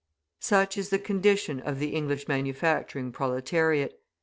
Such is the condition of the English manufacturing proletariat.